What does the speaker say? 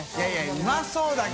うまそうですね。